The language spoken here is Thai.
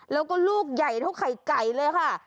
แล้วก็ลูกใหญ่เท่าไข่ไก่เลยค่ะ